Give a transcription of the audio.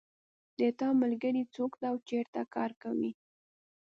د تا ملګری څوک ده او چېرته کار کوي